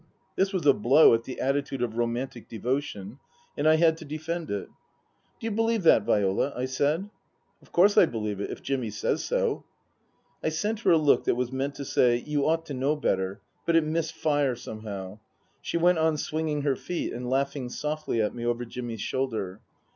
This was a blow at the attitude of romantic devotion, and I had to defend it. " Do you believe that, Viola ?" I said. " Of course I believe it if Jimmy says so." I sent her a look that was meant to say, " You ought to know better ;" but it missed fire somehow. She went on swinging her feet and laughing softly at me qver Jimmy's shoulder.